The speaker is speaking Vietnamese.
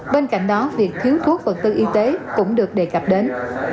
bên cạnh đó việc thiếu thuốc vật tư y tế cũng được đề cập đến